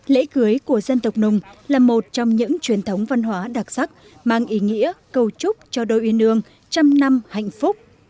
lễ cưới của dân tộc nùng là một trong những truyền thống văn hóa đặc sắc mang ý nghĩa cầu chúc cho đôi uyên ương trăm năm hạnh phúc